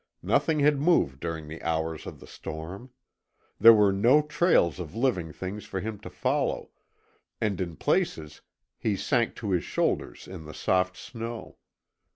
Nothing had moved during the hours of the storm. There were no trails of living things for him to follow, and in places he sank to his shoulders in the soft snow.